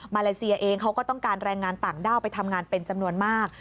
เลเซียเองเขาก็ต้องการแรงงานต่างด้าวไปทำงานเป็นจำนวนมาก